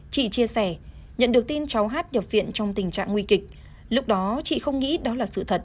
chị chia sẻ nhận được tin cháu hát nhập viện trong tình trạng nguy kịch lúc đó chị không nghĩ đó là sự thật